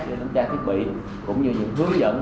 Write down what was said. giám sát thiết bị cũng như những hướng dẫn